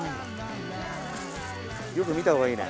よく見たほうがいいね。